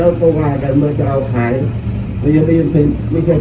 มันก็ยังไม่ใช่กันไม่ใช่ผม